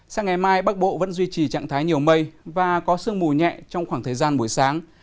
sáng ngày mai bắc bộ vẫn duy trì trạng thái nhiều mây và có sương mù nhẹ trong khoảng thời gian buổi sáng